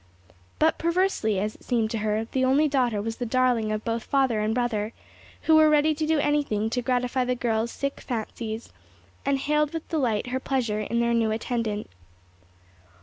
But perversely, as it seemed to her, the only daughter was the darling of both father and brother, who were ready to do anything to gratify the girl's sick fancies, and hailed with delight her pleasure in her new attendant.